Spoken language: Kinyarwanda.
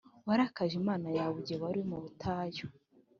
warakaje imana yawe igihe wari mu butayu.